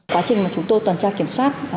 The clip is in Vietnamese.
quá trình mà chúng tôi toàn tra kiểm soát